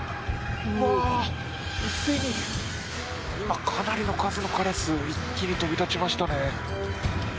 一斉に今、かなりの数のカラス一気に飛び立ちましたね。